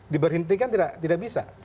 diberhentikan tidak bisa